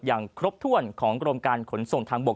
อย่างครบถ้วนของกรมการขนส่งทางบก